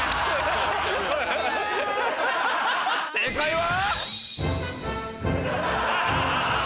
正解は。